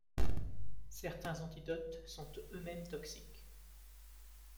Certains antidotes sont eux-mêmes toxiques.